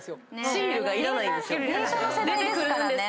データの世代ですからね。